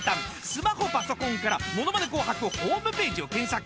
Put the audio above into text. スマホパソコンから『ものまね紅白』ホームページを検索。